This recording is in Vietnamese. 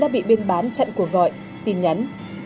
bán chặn cuộc gọi tin nhắn